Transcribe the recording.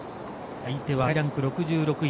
相手は世界ランク６６位。